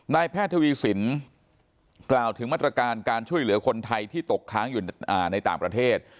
แพทย์ทวีสินกล่าวถึงมาตรการการช่วยเหลือคนไทยที่ตกค้างอยู่ในต่างประเทศ